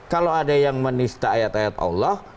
kalau ada yang menista ayat ayat allah